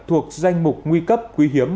thuộc danh mục nguy cấp quý hiếm